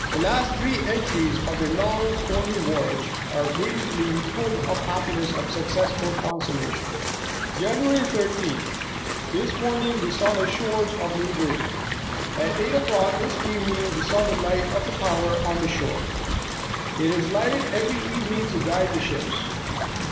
The last three entries after their long, stormy voy age, are briefly full of the happiness of successful con summation. "Jan. 13th. This morning we saw the shores of New Jersey. At eight o'clock this evening we saw the light of a tower on the shore. It is lig?ited every evening to guide the ships.